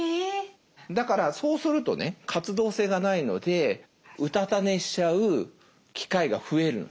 だからそうするとね活動性がないのでうたた寝しちゃう機会が増えるの。